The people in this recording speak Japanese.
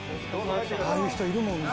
ああいう人いるもん。